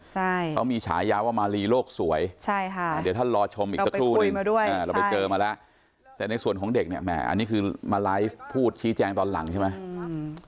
เขามีจึงมีชาย้าวว่ามาลีโลกสวยเดี๋ยวท่านลอชมอีกสักครู่หนึ่งเราไปเจอมาแล่างั้นในส่วนของเด็กเนี่ยอันนี้คือมาไลฟ์พูดชี้แจงตอนหลังใช่ไหม